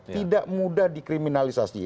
tidak mudah dikriminalisasi